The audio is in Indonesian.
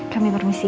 kami permisi ya